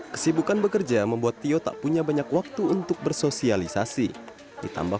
kesibukan bekerja membuat tio tak punya banyak waktu untuk bersosialisasi ditambah